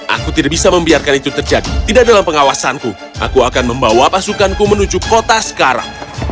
aku tidak bisa membiarkan itu terjadi tidak dalam pengawasanku aku akan membawa pasukanku menuju kota sekarang